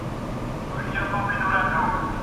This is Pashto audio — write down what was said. که وخت وي، تمرين کوم؟!